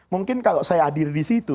mungkin kalau saya hadir disitu